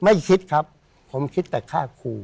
ไม่คิดครับผมคิดแต่ฆ่าครู